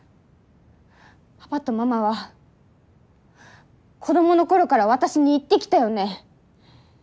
パパとママは子供の頃から私に言ってきたよね？